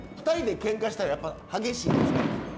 ２人でケンカしたらやっぱ激しいんですか？